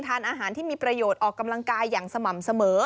ทานอาหารที่มีประโยชน์ออกกำลังกายอย่างสม่ำเสมอ